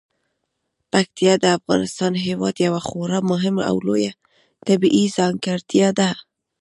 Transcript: پکتیکا د افغانستان هیواد یوه خورا مهمه او لویه طبیعي ځانګړتیا ده.